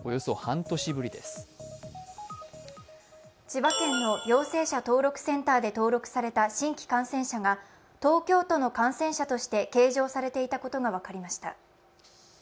千葉県の陽性者登録センターで登録された新規感染者が東京都の感染者として計上されていたことが分かりました。